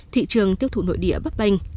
thị trường tiêu thụ nội địa bất banh